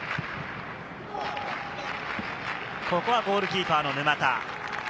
ここはゴールキーパーの沼田。